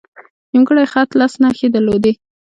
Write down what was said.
نیمګړی خط لس نښې درلودې.